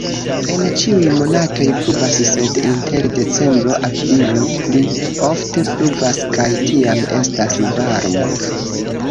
En ĉiuj monatoj pluvas, sed inter decembro-aprilo pli ofte pluvas kaj tiam estas varmo.